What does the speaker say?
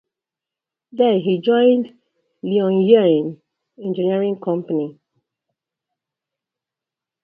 Then he joined Luoyang Engineering Company.